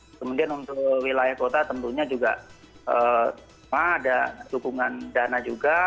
kemudian untuk wilayah kota tentunya juga ada dukungan dana juga